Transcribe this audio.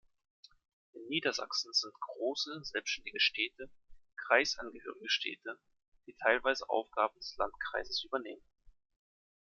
In Niedersachsen sind „große selbständige Städte“ kreisangehörige Städte, die teilweise Aufgaben des Landkreises übernehmen.